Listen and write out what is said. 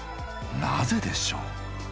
なぜでしょう？